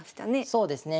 そうですね。